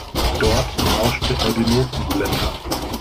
Dort tauschte er die Notenblätter.